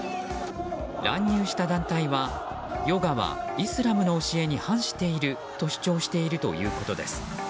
乱入した団体はヨガはイスラムの教えに反していると主張しているということです。